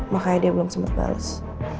makanya dia belum sempat bales